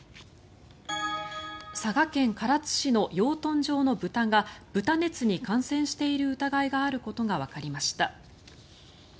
佐賀県唐津市の養豚場の豚が豚熱に感染している疑いがあることがわかりました。